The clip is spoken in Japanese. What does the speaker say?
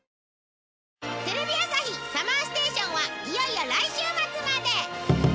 テレビ朝日ＳＵＭＭＥＲＳＴＡＴＩＯＮはいよいよ来週末まで！